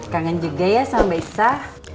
kangen juga ya sama mbak isa